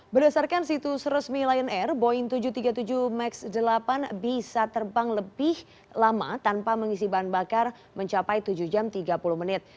berdasarkan situs resmi lion air boeing tujuh ratus tiga puluh tujuh max delapan bisa terbang lebih lama tanpa mengisi bahan bakar mencapai tujuh jam tiga puluh menit